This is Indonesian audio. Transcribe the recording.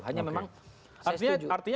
hanya memang artinya